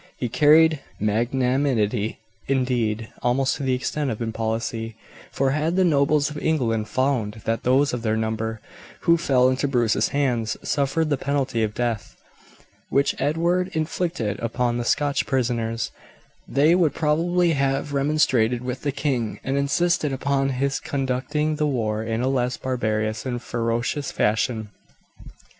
He carried magnanimity, indeed, almost to the extent of impolicy; for had the nobles of England found that those of their number who fell into Bruce's hands suffered the penalty of death, which Edward inflicted upon the Scotch prisoners, they would probably have remonstrated with the king and insisted upon his conducting the war in a less barbarous and ferocious fashion.